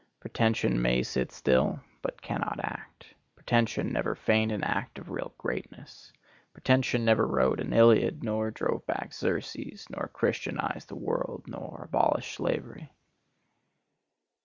Pretension may sit still, but cannot act. Pretension never feigned an act of real greatness. Pretension never wrote an Iliad, nor drove back Xerxes, nor christianized the world, nor abolished slavery.